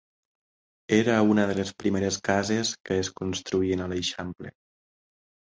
Era una de les primeres cases que es construïen a l’Eixample.